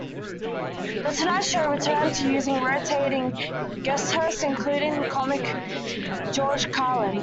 "The Tonight Show" returned to using rotating guest hosts, including comic George Carlin.